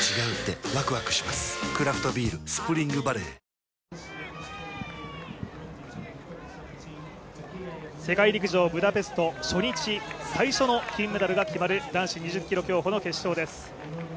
クラフトビール「スプリングバレー」世界陸上ブダペスト初日、最初の金メダルが決まる男子２０ｋｍ競歩の決勝です。